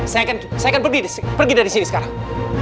saya akan berdiri pergi dari sini sekarang